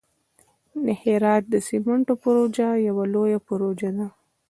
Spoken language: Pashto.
د هرات د سمنټو پروژه یوه لویه پروژه ده.